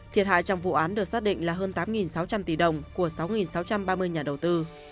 thiệt hại trong vụ án được xác định là hơn tám sáu trăm linh tỷ đồng của sáu sáu trăm ba mươi nhà đầu tư